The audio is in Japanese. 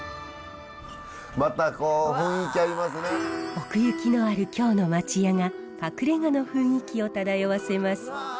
奥行きのある京の町家が隠れ家の雰囲気を漂わせます。